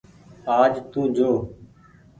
آج تو جو۔